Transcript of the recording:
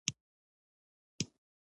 ډګروال د خپل کاري مېز لور ته روان شو